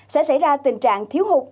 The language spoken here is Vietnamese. sẽ xảy ra tình trạng thiếu hụt